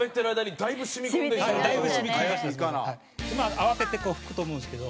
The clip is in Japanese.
慌ててこう拭くと思うんですけど。